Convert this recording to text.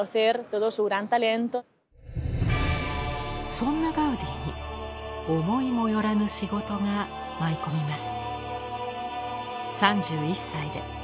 そんなガウディに思いも寄らぬ仕事が舞い込みます。